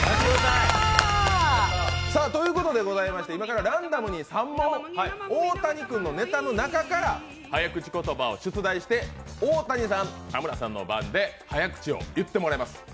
今からランダムに３問大谷君のネタの中から早口言葉を出題して、大谷さん、田村さんの番で早口を言ってもらえます。